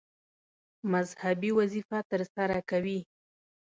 مذهبي وظیفه ترسره کوي.